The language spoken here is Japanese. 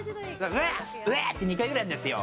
おえ、おえって２回ぐらいするんですよ。